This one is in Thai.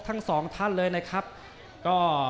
ยังเหลือคู่มวยในรายการ